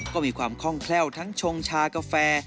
ก็มีความคล่องแคล่วทั้งชงชากาแฟ